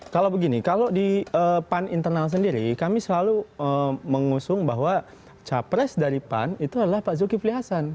kalau begini kalau di pan internal sendiri kami selalu mengusung bahwa capres dari pan itu adalah pak zulkifli hasan